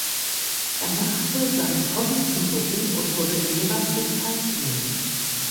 Er machte sein Hobby zum Beruf und wurde Lehrer für Zeichnen.